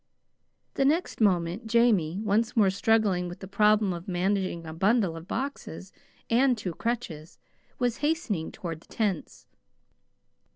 The next moment, Jamie, once more struggling with the problem of managing a bundle of boxes and two crutches, was hastening toward the tents.